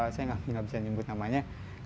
saya nggak bisa nyebut namanya